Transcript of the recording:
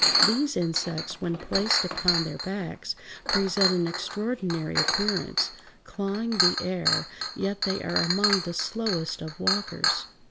These insects, when placed upon their backs, present an extraordinary appearance, clawing the air; yet they are among the slowest of walkers.